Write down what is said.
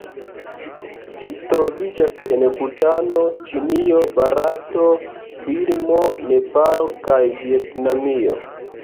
Ĝi troviĝas en Butano, Ĉinio, Barato, Birmo, Nepalo kaj Vjetnamio.